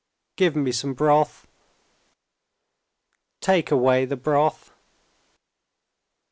"Give me some broth. Take away the broth.